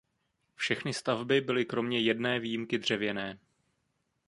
Všechny stavby byly kromě jediné výjimky dřevěné.